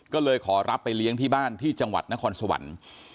ก็เลยขอรับไปเลี้ยงที่บ้านที่จังหวัดนครสวรรค์